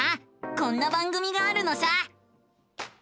こんな番組があるのさ！